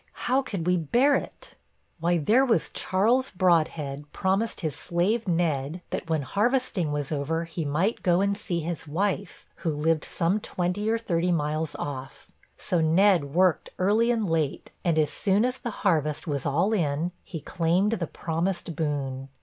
how could we bear it? Why, there was Charles Brodhead promised his slave Ned, that when harvesting was over, he might go and see his wife, who lived some twenty or thirty miles off. So Ned worked early and late, and as soon as the harvest was all in, he claimed the promised boon.